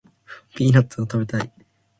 ピーナッツ食べたい